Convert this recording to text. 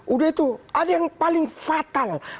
udah itu ada yang paling fatal